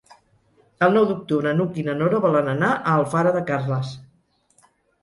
El nou d'octubre n'Hug i na Nora volen anar a Alfara de Carles.